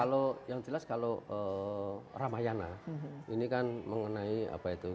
kalau yang jelas kalau ramayana ini kan mengenai apa itu